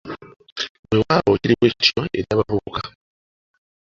Weewaawo kiri bwekityo eri abavubuka!